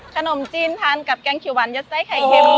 ขนมจีนทานกับแกงเขียวหวานยัดไส้ไข่เค็ม